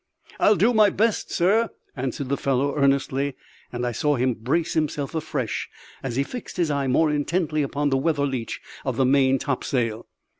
"I'll do my best, sir," answered the fellow, earnestly; and I saw him brace himself afresh as he fixed his eye more intently upon the weather leach of the main topsail.